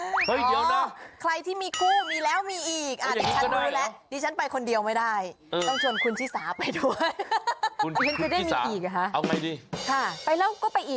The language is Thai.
ถ้าใครที่มีคู่มีแล้วมีอีกนะนี่ฉันไปคนเดียวแล้วไม่ได้